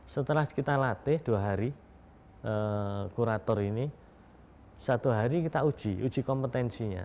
setelah kita latih dua hari kurator ini satu hari kita uji uji kompetensinya